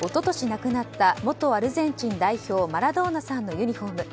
亡くなった元アルゼンチン代表マラドーナさんのユニホーム。